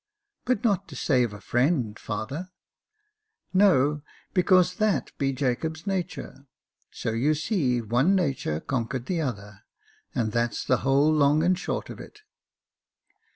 But not to save a friend, father ?"" No — because that be Jacob's nature ; so you see one nature conquered the other, and that's the whole long and short of it."